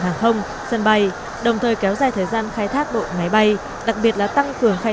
hàng không sân bay đồng thời kéo dài thời gian khai thác đội máy bay đặc biệt là tăng cường khai